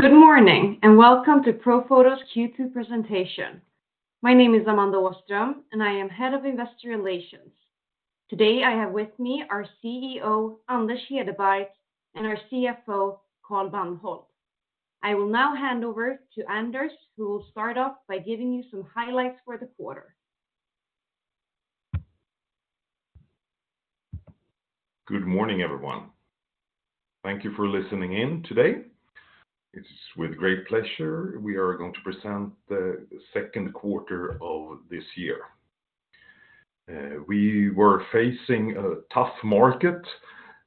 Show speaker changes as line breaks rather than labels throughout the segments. Good morning, welcome to Profoto's Q2 presentation. My name is Amanda Åström, and I am Head of Investor Relations. Today, I have with me our CEO, Anders Hedebark, and our CFO, Carl Bandhold. I will now hand over to Anders, who will start off by giving you some highlights for the quarter.
Good morning, everyone. Thank you for listening in today. It's with great pleasure, we are going to present the Q2 of this year. We were facing a tough market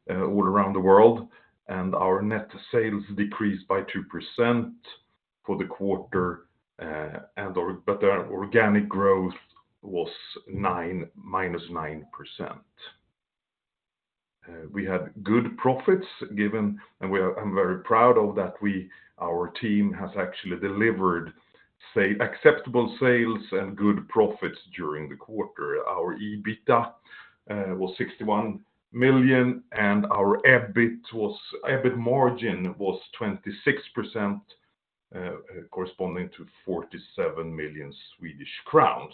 all around the world, and our net sales decreased by 2% for the quarter, but the organic growth was -9%. We had good profits given, and I'm very proud of that we, our team, has actually delivered acceptable sales and good profits during the quarter. Our EBITDA was 61 million, and our EBIT margin was 26%, corresponding to 47 million Swedish crowns.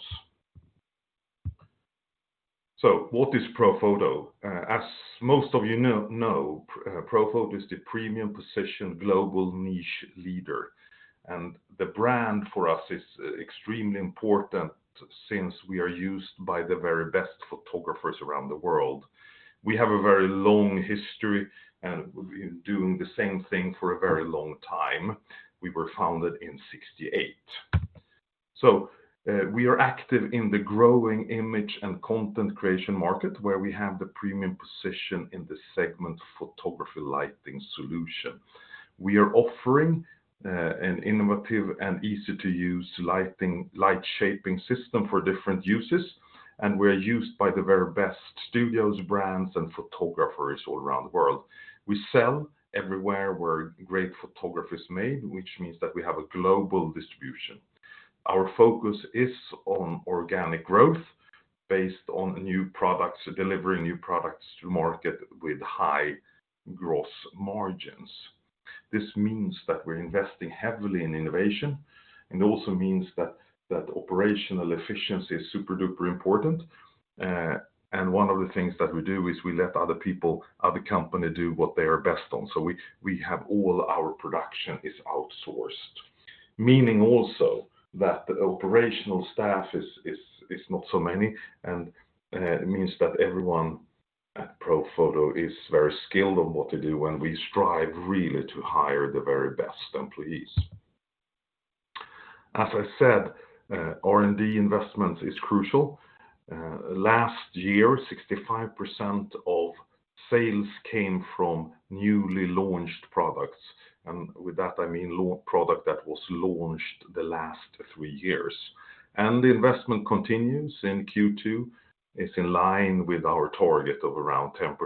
What is Profoto? As most of you know, Profoto is the premium-position global niche leader, and the brand for us is extremely important since we are used by the very best photographers around the world. We have a very long history and we've been doing the same thing for a very long time. We were founded in 1968. We are active in the growing image and content creation market, where we have the premium position in the segment photography lighting solution. We are offering an innovative and easy-to-use lighting, light shaping system for different uses, and we're used by the very best studios, brands, and photographers all around the world. We sell everywhere where great photography is made, which means that we have a global distribution. Our focus is on organic growth based on new products, delivering new products to market with high gross margins. This means that we're investing heavily in innovation, and it also means that operational efficiency is super-duper important. One of the things that we do is we let other people, other company, do what they are best on. We have all our production is outsourced, meaning also that the operational staff is not so many, and it means that everyone at Profoto is very skilled on what to do, and we strive really to hire the very best employees. As I said, R&D investment is crucial. Last year 65% of sales came from newly launched products, and with that I mean product that was launched the last 3 years. The investment continues in Q2. It's in line with our target of around 10%,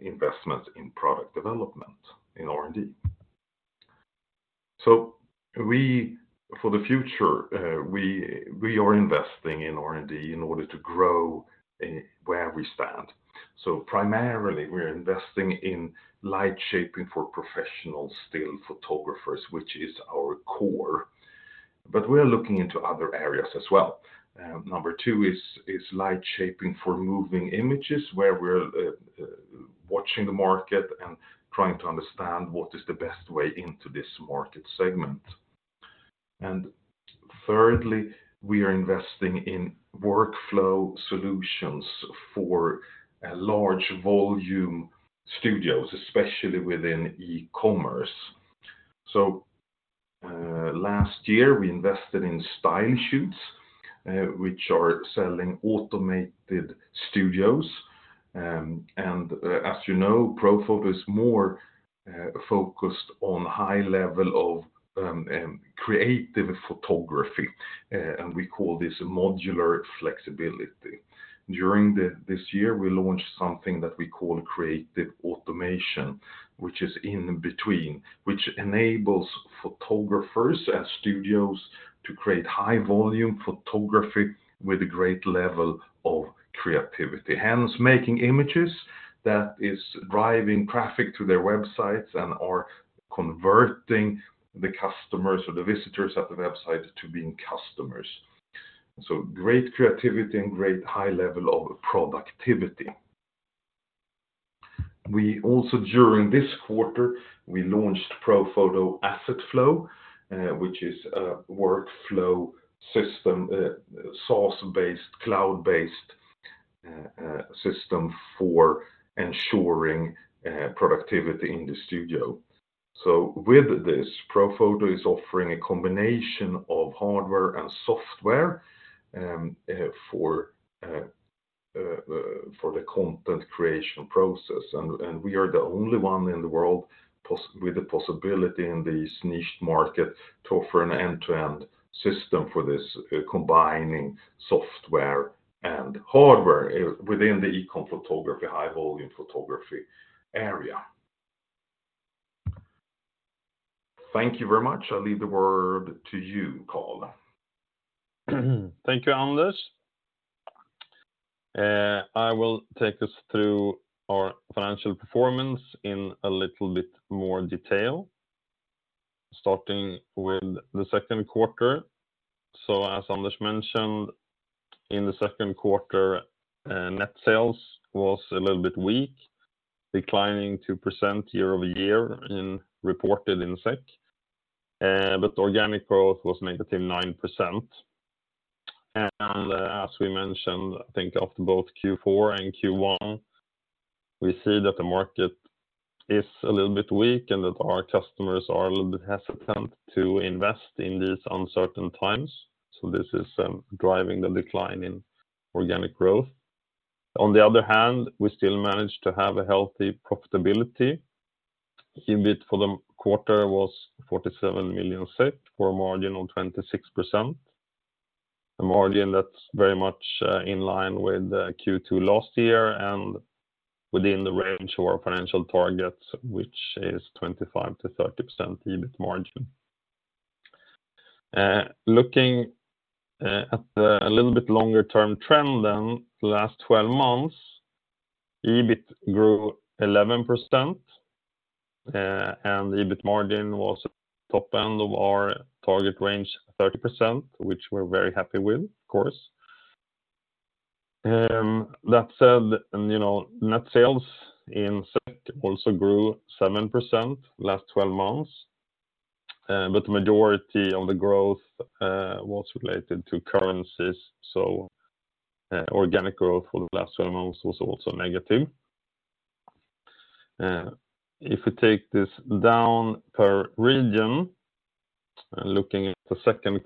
investment in product development in R&D. We, for the future, we are investing in R&D in order to grow where we stand. Primarily, we're investing in light shaping for professional still photographers, which is our core, but we are looking into other areas as well. Number two is light shaping for moving images, where we're watching the market and trying to understand what is the best way into this market segment. Thirdly, we are investing in workflow solutions for a large volume studios, especially within e-commerce. Last year, we invested in StyleShoots, which are selling automated studios. As you know, Profoto is more focused on high level of creative photography, and we call this modular flexibility. During this year, we launched something that we call Creative Automation, which is in between, which enables photographers and studios to create high volume photography with a great level of creativity. Making images that is driving traffic to their websites and are converting the customers or the visitors at the website to being customers. Great creativity and great high level of productivity. We also, during this quarter, we launched Profoto Asset Flow, which is a workflow system, source-based, cloud-based system for ensuring productivity in the studio. With this, Profoto is offering a combination of hardware and software for the content creation process. We are the only one in the world with the possibility in this niched market to offer an end-to-end system for this, combining software and hardware within the eCom photography, high volume photography area. Thank you very much. I'll leave the word to you, Carl.
Thank you, Anders.I will take us through our financial performance in a little bit more detail, starting with the Q2. As Anders mentioned, in the Q2, net sales was a little bit weak, declining 2% year-over-year in reported in SEK, but organic growth was negative 9%. As we mentioned, I think after both Q4 and Q1, we see that the market is a little bit weak and that our customers are a little bit hesitant to invest in these uncertain times. This is driving the decline in organic growth. On the other hand, we still managed to have a healthy profitability. EBIT for the quarter was 47 million for a margin of 26%. A margin that's very much in line with the Q2 last year and within the range of our financial targets, which is 25%-30% EBIT margin. Looking at the a little bit longer-term trend then, the last 12 months, EBIT grew 11%, and EBIT margin was top end of our target range 30% which we're very happy with, of course. That said, you know, net sales in SEK also grew 7% last 12 months. But the majority of the growth was related to currencies, so organic growth for the last 12 months was also negative. If we take this down per region, and looking at the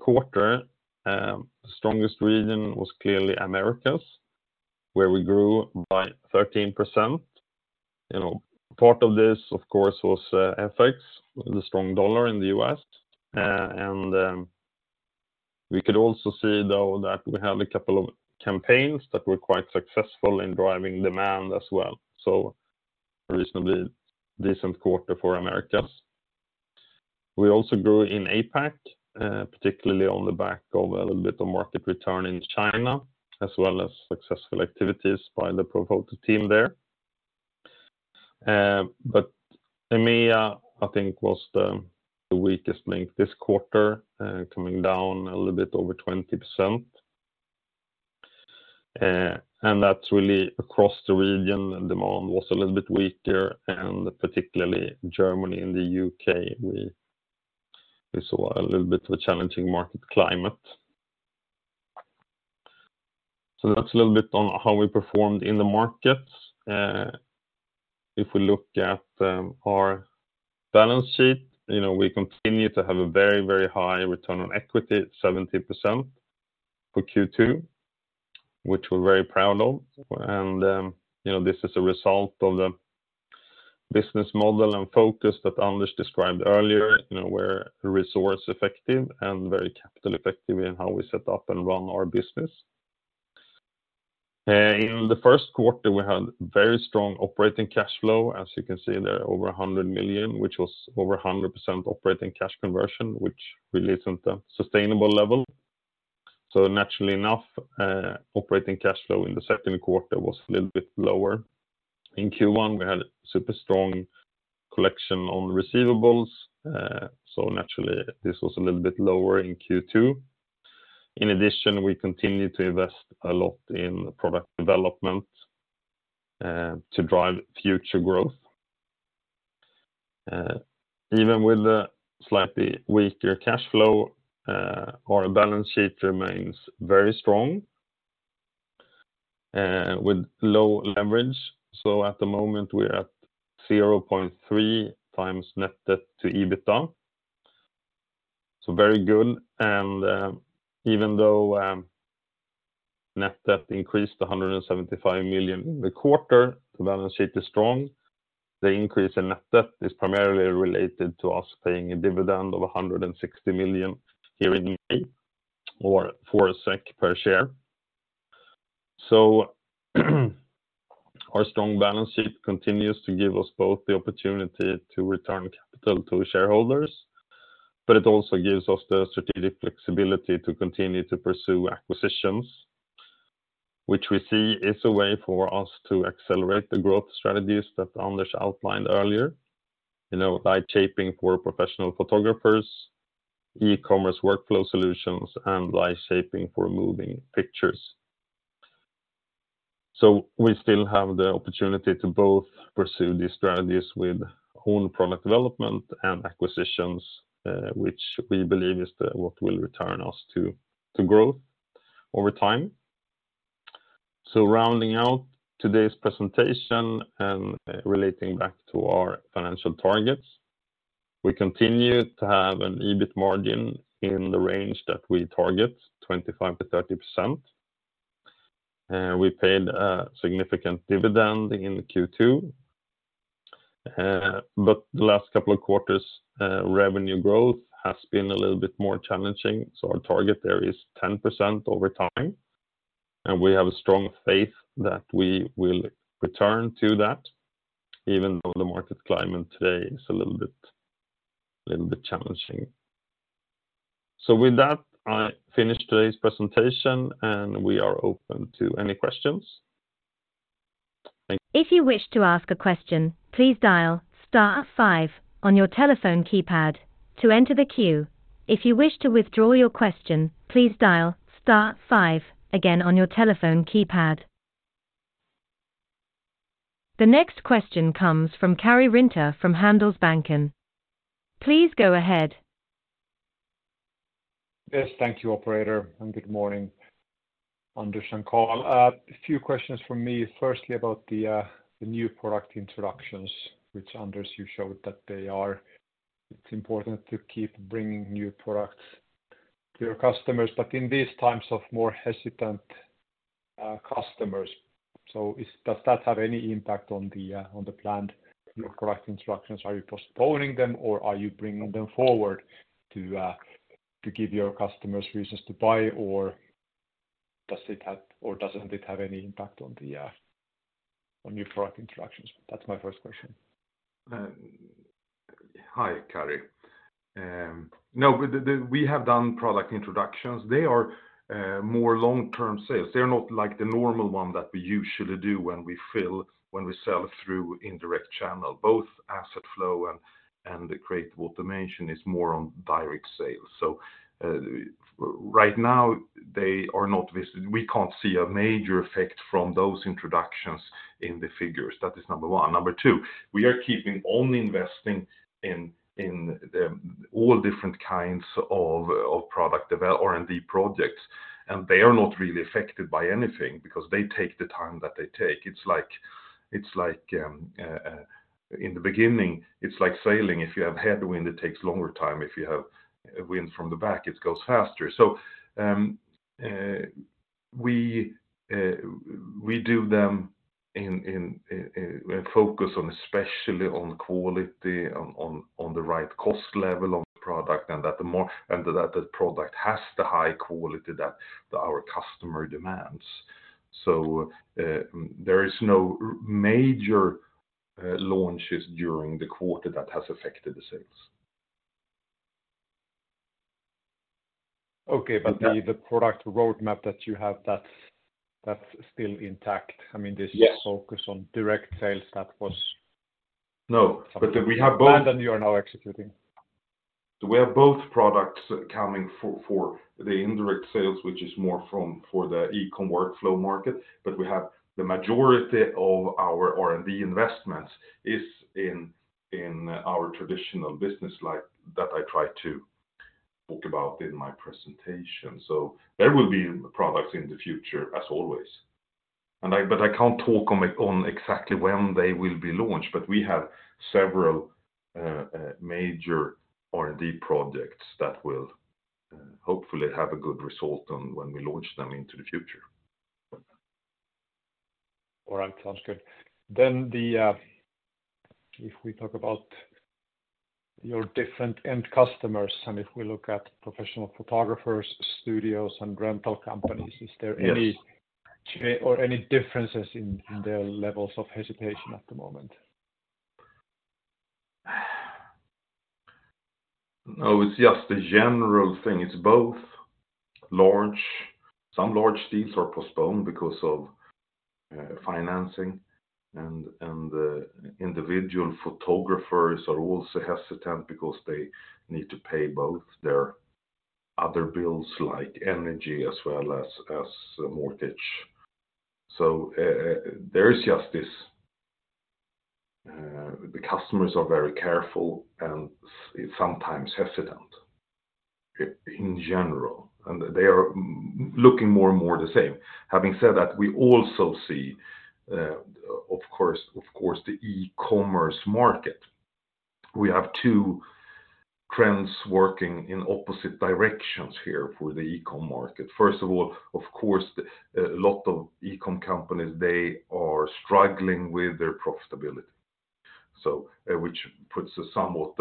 Q2, the strongest region was clearly Americas, where we grew by 13%. You know, part of this, of course, was FX, the strong dollar in the US. We could also see, though, that we had a couple of campaigns that were quite successful in driving demand as well. Reasonably decent quarter for Americas. We also grew in APAC, particularly on the back of a little bit of market return in China, as well as successful activities by the Profoto teamf there. EMEA, I think, was the weakest link this quarter, coming down a little bit over 20%. That's really across the region, and demand was a little bit weaker, and particularly Germany and the UK, we saw a little bit of a challenging market climate. That's a little bit on how we performed in the markets. If we look at, you know, our balance sheet, we continue to have a very, very high return on equity, 70% for Q2, which we're very proud of. You know, this is a result of the business model and focus that Anders described earlier. You know, we're resource effective and very capital effective in how we set up and run our business. In the Q1, we had very strong operating cash flow, as you can see there, over 100 million, which was over 100% operating cash conversion, which really isn't a sustainable level. Naturally enough, operating cash flow in the Q2 was a little bit lower. In Q1, we had super strong collection on receivables, naturally, this was a little bit lower in Q2. In addition, we continued to invest a lot in product development, to drive future growth. Even with a slightly weaker cash flow, our balance sheet remains very strong, with low leverage. At the moment, we're at 0.3x net debt to EBITDA. Very good, and even though net debt increased to 175 million in the quarter, the balance sheet is strong. The increase in net debt is primarily related to us paying a dividend of 160 million here in May, or 4 SEK per share. Our strong balance sheet continues to give us both the opportunity to return capital to shareholders, but it also gives us the strategic flexibility to continue to pursue acquisitions, which we see is a way for us to accelerate the growth strategies that Anders outlined earlier. You know, light shaping for professional photographers, e-commerce workflow solutions, and light shaping for moving pictures. We still have the opportunity to both pursue these strategies with own product development and acquisitions, which we believe is what will return us to growth over time. Rounding out today's presentation and relating back to our financial targets, we continue to have an EBIT margin in the range that we target, 25%-30%. We paid a significant dividend in Q2. The last couple of quarters, revenue growth has been a little bit more challenging, so our target there is 10% over time, and we have a strong faith that we will return to that, even though the market climate today is a little bit challenging.
With that, I finish today's presentation, and we are open to any questions. Thank you.
If you wish to ask a question, please dial star five on your telephone keypad to enter the queue. If you wish to withdraw your question, please dial star five again on your telephone keypad. The next question comes from Karri Rinta from Handelsbanken. Please go ahead.
Yes, thank you, operator. Good morning, Anders and Carl. A few questions from me. Firstly, about the new product introductions, which Anders, you showed that it's important to keep bringing new products to your customers, but in these times of more hesitant customers. Does that have any impact on the planned new product introductions? Are you postponing them, or are you bringing them forward to give your customers reasons to buy? Does it have, or doesn't it have any impact on new product introductions? That's my first question.
Hi, Karri. We have done product introductions. They are more long-term sales. They're not like the normal one that we usually do when we sell through indirect channel. Both Asset Flow and the Creative Automation is more on direct sales. Right now, they are not visible. We can't see a major effect from those introductions in the figures. That is number one. Number two, we are keeping only investing in the all different kinds of R&D projects, and they are not really affected by anything because they take the time that they take. It's like in the beginning, it's like sailing. If you have headwind, it takes longer time. If you have wind from the back, it goes faster. We do them in, focus on, especially on quality, on the right cost level of the product, and that the product has the high quality that our customer demands. There is no major launches during the quarter that has affected the sales.
Okay.
That-
the product roadmap that you have, that's still intact. I mean.
Yes
focus on direct sales,
No, we have.
You are now executing.
We have both products coming for the indirect sales, which is more from, for the e-commerce workflow market. We have the majority of our R&D investments is in our traditional business, like that I tried to talk about in my presentation. There will be products in the future, as always, and I can't talk on exactly when they will be launched, but we have several major R&D projects that will hopefully have a good result on when we launch them into the future.
All right. Sounds good. If we talk about your different end customers, and if we look at professional photographers, studios, and rental companies.
Yes
Is there any or any differences in their levels of hesitation at the moment?
No, it's just a general thing. It's both some large deals are postponed because of financing, and individual photographers are also hesitant because they need to pay both their other bills, like energy as well as a mortgage. There is just this, the customers are very careful and sometimes hesitant in general, and they are looking more and more the same. Having said that, we also see, of course, the e-commerce market. We have two trends working in opposite directions here for the e-commerce market. First of all, of course, a lot of e-commerce companies, they are struggling with their profitability. Which puts a somewhat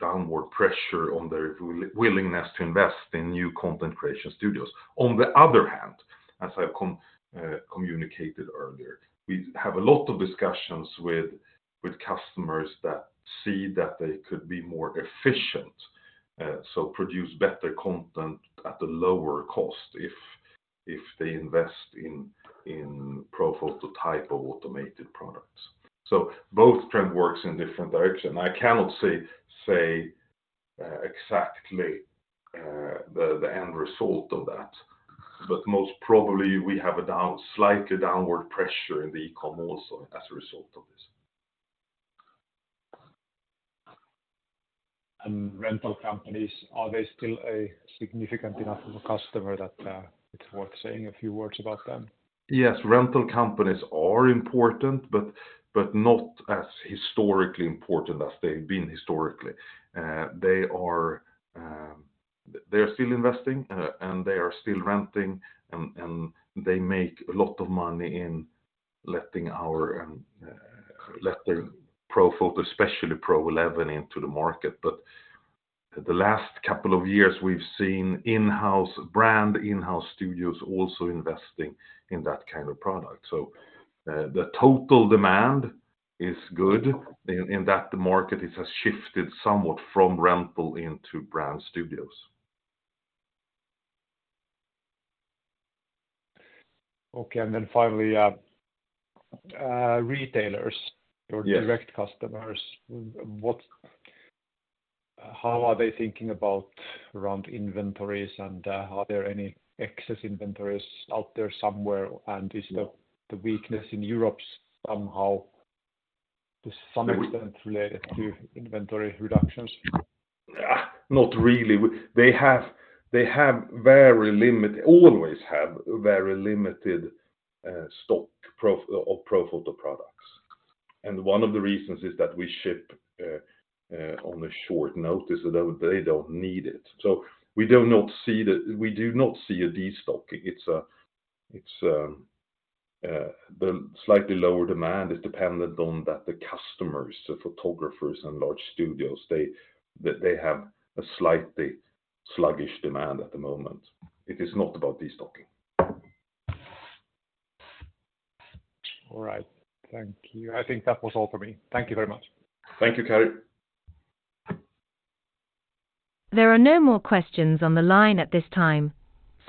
downward pressure on their willingness to invest in new content creation studios. On the other hand, as I communicated earlier, we have a lot of discussions with customers that see that they could be more efficient, so produce better content at a lower cost if they invest in Profoto type of automated products. Both trend works in different direction. I cannot say exactly the end result of that, but most probably we have a slightly downward pressure in the e-commerce also as a result of this.
Rental companies, are they still a significant enough of a customer that, it's worth saying a few words about them?
Yes, rental companies are important, not as historically important as they've been historically. They are still investing, they are still renting, they make a lot of money in letting our, let their Profoto, especially Pro-11, into the market. The last couple of years, we've seen in-house brand, in-house studios also investing in that kind of product. The total demand is good in that market, it has shifted somewhat from rental into brand studios.
Okay, finally.
Yes.
Retailers your direct customers both, how are they thinking about around inventories, and are there any excess inventories out there somewhere? Is the weakness in Europe somehow to some extent related to inventory reductions?
Not really. They have very limited always have very limited stock pro, of Profoto products. One of the reasons is that we ship on a short notice, so they don't need it. We do not see a destocking. It's the slightly lower demand is dependent on that the customers, the photographers and large studios, they have a slightly sluggish demand at the moment. It is not about destocking.
All right. Thank you. I think that was all for me. Thank you very much.
Thank you, Karri.
There are no more questions on the line at this time,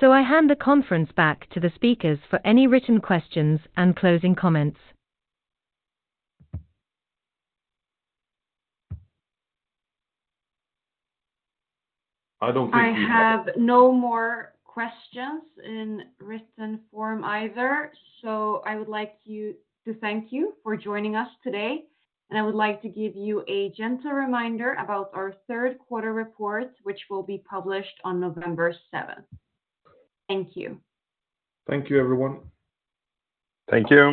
so I hand the conference back to the speakers for any written questions and closing comments.
I don't think we.
I have no more questions in written form either, so I would like you, to thank you for joining us today, and I would like to give you a gentle reminder about our Q3 report, which will be published on November seventh. Thank you.
Thank you, everyone.
Thank you.